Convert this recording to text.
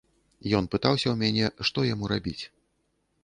Ён пытаўся ў мяне, што яму рабіць.